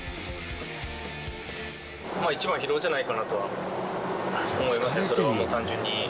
一番は疲労じゃないかなとは思いますね、それは単純に。